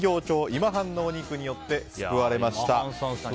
今半のお肉によって救われました。